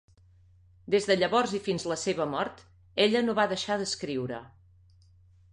Des de llavors i fins a la seva mort, ella no va deixar d'escriure.